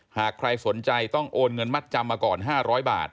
หากใครสนใจต้องโอนเงินมัดจำมาก่อน๕๐๐บาท